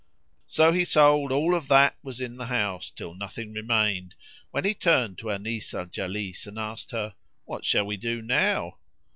So he sold all of that was in the house till nothing remained when he turned to Anis al Jalis and asked her "What shall we do now?"